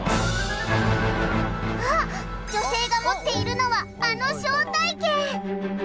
あっ女性が持っているのはあの招待券！